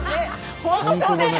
本当そうですよ！